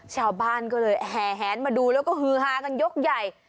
ชาวบ้านก็เลยแห่แหนมาดูแล้วก็ฮือฮากันยกใหญ่